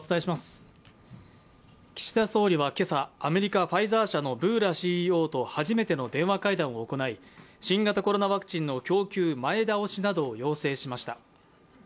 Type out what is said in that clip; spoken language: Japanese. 岸田総理は今朝、アメリカ・ファイザー社のブーラＣＥＯを初めての電話会談を行い新型コロナワクチンの供給前倒しなどを要請しました。